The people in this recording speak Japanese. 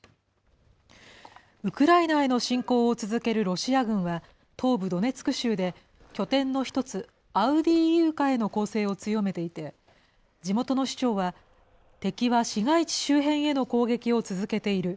ウクライナへの侵攻を続けるロシア軍は、東部ドネツク州で拠点の一つ、アウディーイウカへの攻勢を強めていて、地元の市長は、敵は市街地周辺への攻撃を続けている。